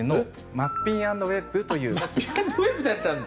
マッピン＆ウェッブだったんだ。